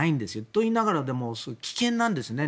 といいながら、危険なんですね。